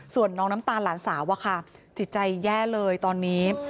ส่วนน้องน้ำตาลหลานสาวอะค่ะจิตใจแย่เลยตอนนี้